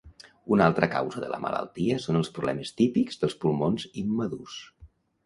Una altra causa de la malaltia són els problemes típics dels pulmons immadurs.